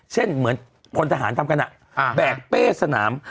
เหมือนพลทหารทำกันแบกเป้สนาม